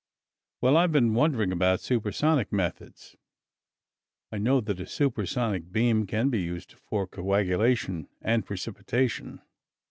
"Well, I've been wondering about supersonic methods. I know that a supersonic beam can be used for coagulation and precipitation."